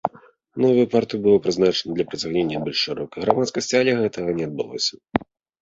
Новую партыю было прызначана для прыцягнення больш шырокай грамадскасці, але гэтага не адбылося.